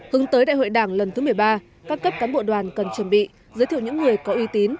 hướng tới đại hội đảng lần thứ một mươi ba các cấp cán bộ đoàn cần chuẩn bị giới thiệu những người có uy tín